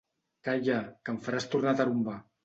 Calla, que em faràs tornar tarumba!